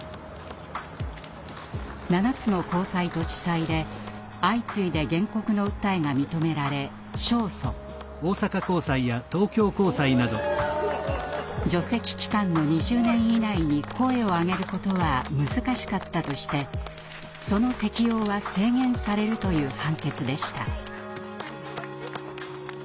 ７つの高裁と地裁で相次いで原告の訴えが認められ勝訴。除斥期間の２０年以内に声を上げることは難しかったとしてその適用は制限されるという判決でした。